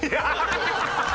ハハハハ！